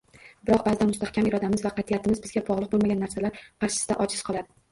Biroq baʼzida mustahkam irodamiz va qatʼiyatimiz bizga bogʻliq boʻlmagan narsalar qarshisida ojiz qoladi…